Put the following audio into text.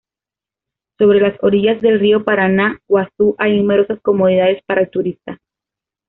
Sobre las orillas del río Paraná Guazú hay numerosas comodidades para el turista.